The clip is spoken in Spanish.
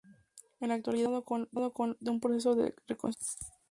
En la actualidad está pasando con un proceso de reconstrucción.